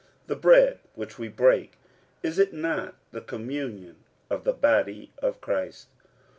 The bread which we break, is it not the communion of the body of Christ?